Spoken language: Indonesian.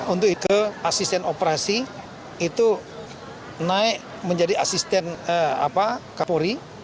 untuk itu asisten operasi itu naik menjadi asisten kapolri